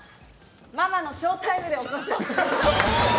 ママのショータイムで起こす。